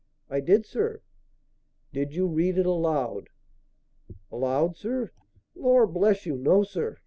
"I did, sir." "Did you read it aloud?" "Aloud, sir! Lor' bless you, no, sir!